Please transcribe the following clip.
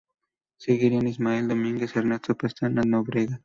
Seguirían Ismael Domínguez, Ernesto Pestana Nóbrega.